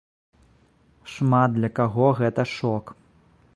Шмат для каго гэта шок!